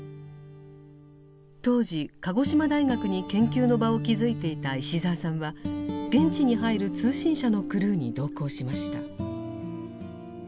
当時鹿児島大学に研究の場を築いていた石澤さんは現地に入る通信社のクルーに同行しました。